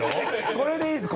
これでいいです。